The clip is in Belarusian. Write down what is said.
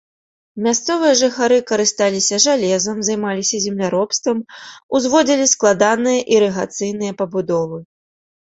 Мясцовыя жыхары карысталіся жалезам, займаліся земляробствам, узводзілі складаныя ірыгацыйныя пабудовы.